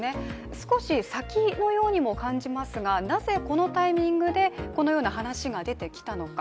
少し先のようにも感じますがなぜこのタイミングでこのような話が出てきたのか。